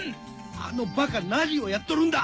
あのバカ何をやっとるんだ。